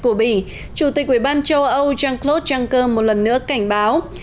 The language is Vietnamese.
chủ tịch uban châu âu jean claude juncker một lần nữa cảnh báo